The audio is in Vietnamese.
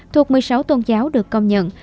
thuộc một mươi sáu tôn giáo được công nhận